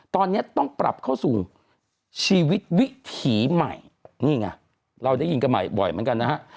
ตอนนี้ต้องปรับเข้าสู่ชีวิตวิถีใหม่นี่ไงเราได้ยินกันใหม่บ่อยเหมือนกันนะฮะ